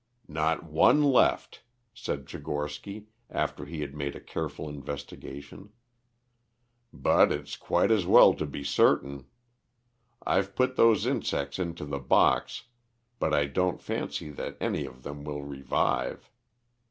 "Not one left," said Tchigorsky, after he had made a careful investigation. "But it's quite as well to be certain. I've put those insects into the box, but I don't fancy that any of them will revive.